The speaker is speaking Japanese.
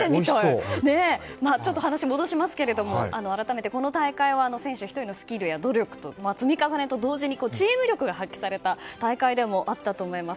話を戻しますが改めて、この大会は選手１人のスキルなどの積み重ねと同時にチーム力が発揮された大会でもあると思います。